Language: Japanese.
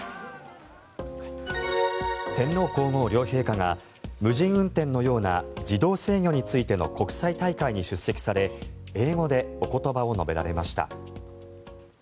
天皇・皇后両陛下が無人運転のような自動制御についての国際大会に出席され英語でお言葉を述べられました。